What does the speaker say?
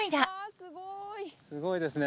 すごいですね。